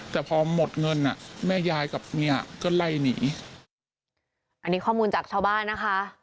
แต่พอหมดเงินอ่ะแม่ยายกับเมียก็ไล่หนีอันนี้ข้อมูลจากชาวบ้านนะคะ